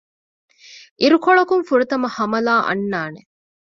އިރުކޮޅަކުން ފުރަތަމަަ ހަމަލާ އަންނާނެ